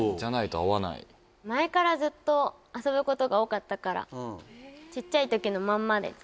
会わない前からずっと遊ぶことが多かったからちっちゃいときのまんまです